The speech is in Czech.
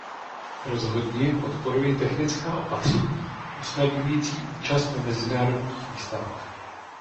Rozhodně podporuji technická opatření usnadňující účast na mezinárodních výstavách.